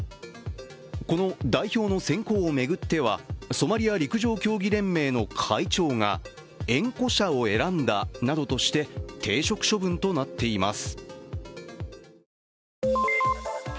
この代表の選考を巡ってはソマリア陸上競技連盟の会長が縁故者を選んだなどとして停職処分となっています。